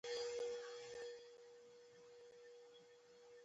ملګرتیا او ناسته د دې کلمې معناوې دي.